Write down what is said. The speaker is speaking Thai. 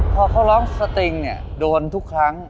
พอเขาร้องสติงเนี่ยโดนทุกครั้ง